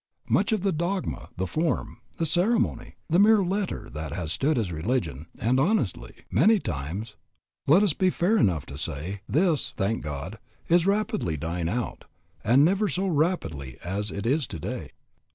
Much of the dogma, the form, the ceremony, the mere letter that has stood as religion, and honestly, many times, let us be fair enough to say, this, thank God, is rapidly dying out, and never so rapidly as it is today.